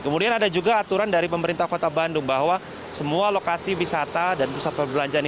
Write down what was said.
kemudian ada juga aturan dari pemerintah kota bandung bahwa semua lokasi wisata dan pusat perbelanjaan ini